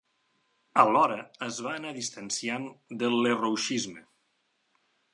Alhora es va anar distanciant del lerrouxisme.